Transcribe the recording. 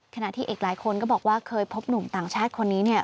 ขณะที่อีกหลายคนก็บอกว่าเคยพบหนุ่มต่างชาติคนนี้เนี่ย